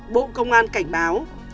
bộ công an cảnh báo